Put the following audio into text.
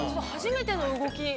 初めての動き。